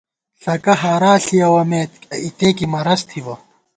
ݪکہ ہارا ݪِیَوَمېت ، اِتے کی مرَض تھِبہ